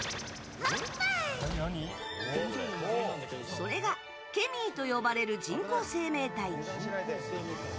それがケミーと呼ばれる人工生命体。